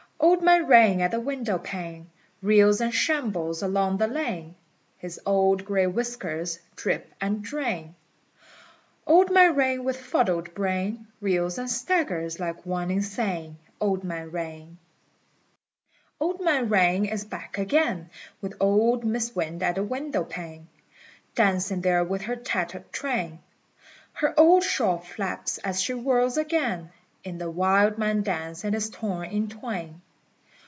Old Man Rain at the windowpane Reels and shambles along the lane: His old gray whiskers drip and drain: Old Man Rain with fuddled brain Reels and staggers like one insane. Old Man Rain. Old Man Rain is back again, With old Mis' Wind at the windowpane, Dancing there with her tattered train: Her old shawl flaps as she whirls again In the wildman dance and is torn in twain.